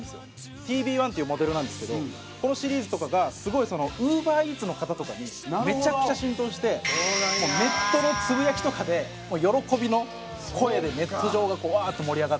ＴＢ１っていうモデルなんですけどこのシリーズとかが、すごいウーバーイーツの方とかにめちゃくちゃ浸透してネットのつぶやきとかで喜びの声で、ネット上がうわーっと盛り上がったりとか。